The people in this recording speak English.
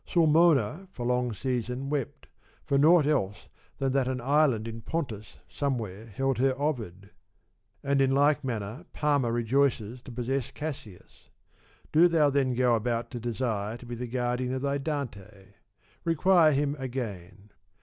Sulmona for long season wept, for naught else than that an island in Pontus somewhere held her Ovid; and in like manner Parma rejoices to possess Cassius. Do thou then go about to desire to be the guardian of thy Dante. Require him again.